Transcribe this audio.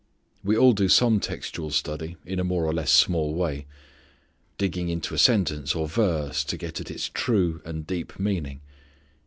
We all do some textual study in a more or less small way. Digging into a sentence or verse to get at its true and deep meaning.